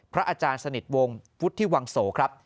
อาจารย์สนิทวงศ์วุฒิวังโสครับ